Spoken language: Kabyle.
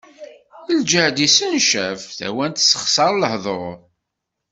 Lǧehd issencaf, tawant tessexsaṛ lehduṛ.